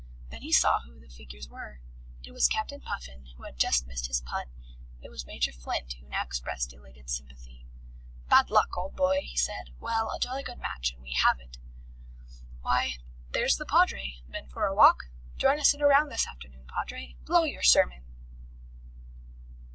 Then he saw who the figures were: it was Captain Puffin who had just missed his putt, it was Major Flint who now expressed elated sympathy. "Bad luck, old boy," he said. "Well, a jolly good match and we halve it. Why, there's the Padre. Been for a walk? Join us in a round this afternoon, Padre! Blow your sermon!"